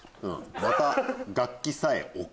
「また楽器さえ置く」。